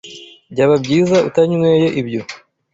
Byaba byiza utanyweye ibyo.